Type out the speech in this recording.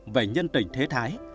về nhân tình thế thái